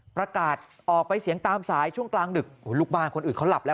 ประกาศออกไปเสียงตามสายช่วงกลางดึกลูกบ้านคนอื่นเขาหลับแล้ว